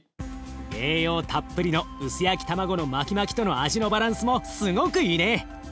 栄養たっぷりの薄焼き卵のマキマキとの味のバランスもすごくいいね。